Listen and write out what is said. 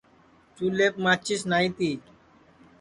چولھیپ ماچِس نائی تی